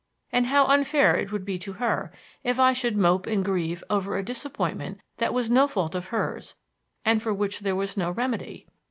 And how unfair it would be to her if I should mope and grieve over a disappointment that was no fault of hers and for which there was no remedy?